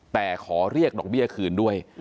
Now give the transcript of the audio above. แต่ขอเรียกดอกเบี้ยคืนด้วย